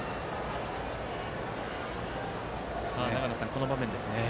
この場面ですね。